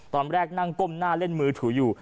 ตอนแรกนั่งก้มหน้าเล่นมือถืออยู่